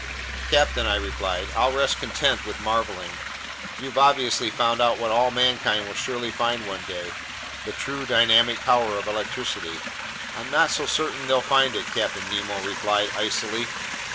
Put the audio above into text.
"Captain," I replied, "I'll rest content with marveling. You've obviously found what all mankind will surely find one day, the true dynamic power of electricity." "I'm not so certain they'll find it," Captain Nemo replied icily.